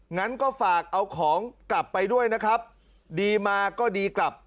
งั้นก็ฝากเอาของกลับไปด้วยนะครับดีมาก็ดีกลับ